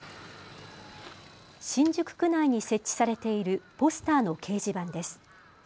新宿区内に設置されているポスターの掲示板です。